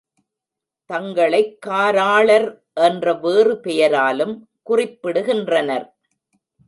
தங்களைக் காராளர் என்ற வேறு பெயராலும் குறிப்பிடுகின்றனர்.